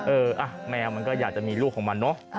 เออแมวมันก็อยากจะมีลูกของมันเนอะ